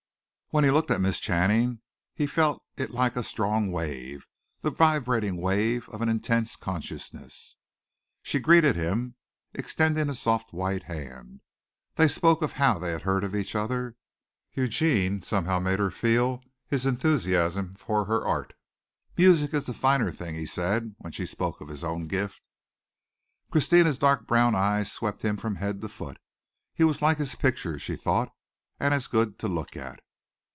When he looked at Miss Channing he felt it like a strong wave the vibrating wave of an intense consciousness. She greeted him, extending a soft white hand. They spoke of how they had heard of each other. Eugene somehow made her feel his enthusiasm for her art. "Music is the finer thing," he said, when she spoke of his own gift. Christina's dark brown eyes swept him from head to foot. He was like his pictures, she thought and as good to look at.